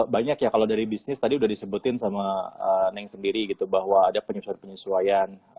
banyak ya kalau dari bisnis tadi udah disebutin sama neng sendiri gitu bahwa ada penyesuaian penyesuaian